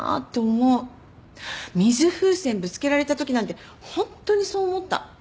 水風船ぶつけられたときなんてホントにそう思った。